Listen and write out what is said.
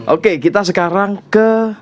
oke kita sekarang ke